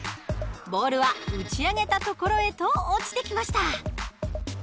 ボールは打ち上げた所へと落ちてきました。